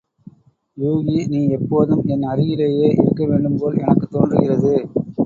யூகி நீ எப்போதும் என் அருகிலேயே இருக்க வேண்டும்போல் எனக்குத் தோன்றுகிறது!